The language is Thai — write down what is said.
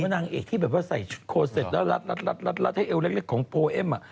นางเอกที่แบบว่าใส่ชุดโคเสร็จแล้วรัดให้เอวเล็กของโพเอ็ม